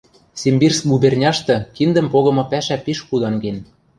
Симбирск губерняштӹ киндӹм погымы пӓшӓ пиш худан кен.